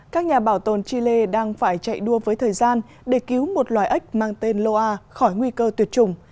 các nhà bảo tồn chile đang phải chạy đua với thời gian để cứu một loài ếch mang tên loa khỏi nguy cơ tuyệt chủng